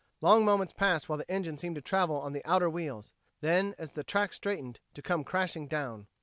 Long moments passed while the engine seemed to travel on the outer wheels; then, as the track straightened, to come crashing down.